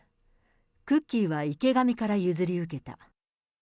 クッキーは池上から譲り受けた。